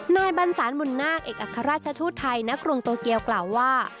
นายบรรษานบุญนาคเอกอัครราชทูตไทยณกรุงโตเกียวกล่าวว่า